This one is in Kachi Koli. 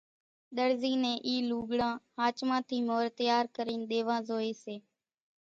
ۮرزي نين اِي لوڳڙان ۿاچمان ٿي مور تيار ڪرين ۮيوان زوئي سي